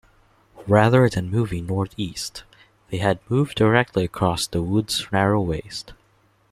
Rather than moving northeast, they had moved directly across the wood's narrow waist.